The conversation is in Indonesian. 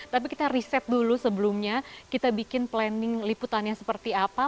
tapi kita riset dulu sebelumnya kita bikin planning liputannya seperti apa